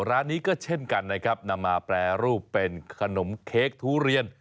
ร้านนี้ก็เช่นกันนะครับนำมาแปรรูปเป็นขนมเค้กทุเรียน